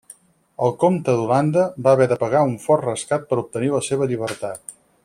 El comte d'Holanda va haver de pagar un fort rescat per obtenir la seva llibertat.